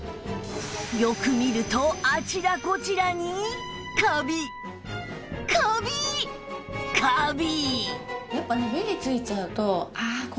よく見るとあちらこちらにカビカビカビ！